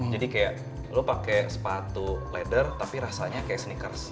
jadi kayak lo pakai sepatu leather tapi rasanya kayak sneakers